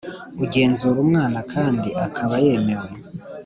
ugenzura umwana kandi akaba yemewe